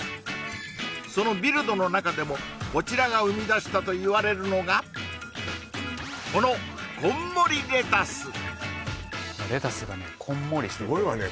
そのビルドの中でもこちらが生み出したといわれるのがこのレタスがねこんもりしててすごいわね